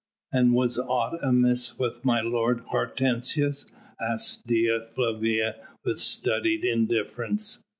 "And was aught amiss with my lord Hortensius?" asked Dea Flavia with studied indifference.